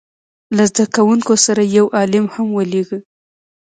له زده کوونکو سره یې یو عالم هم ولېږه.